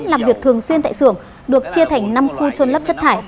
làm việc thường xuyên tại xưởng được chia thành năm khu trôn lấp chất thải